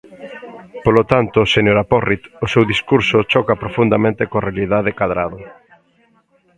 Polo tanto, señora Porrit, o seu discurso choca profundamente coa realidade Cadrado.